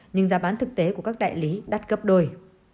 nhưng giá bán thực tế của các đại lý đắt gấp đôi